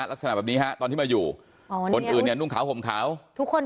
ลักษณะแบบนี้ฮะตอนที่มาอยู่คนอื่นเนี่ยนุ่งขาวห่มขาวทุกคน